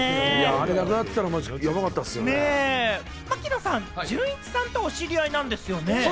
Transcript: あれ、なくなってたらヤバか槙野さんはじゅんいちさんとお知り合いなんですよね？